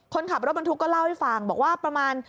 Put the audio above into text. คนขับรถบรรทุกก็เล่าให้ฟังบอกว่าประมาณ